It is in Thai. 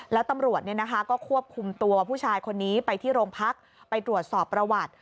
แล้วตำรวจก็ควบคุมตัวผู้ชายคนนี้ไปที่โรงพักไปตรวจสอบประวัติ